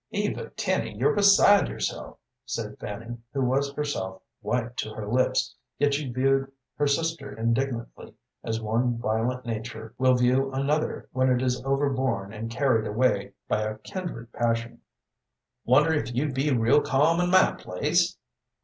"Eva Tenny, you're beside yourself," said Fanny, who was herself white to her lips, yet she viewed her sister indignantly, as one violent nature will view another when it is overborne and carried away by a kindred passion. "Wonder if you'd be real calm in my place?"